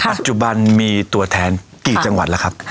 ปัจจุบันมีตัวแทนกี่จังหวัดแล้วครับ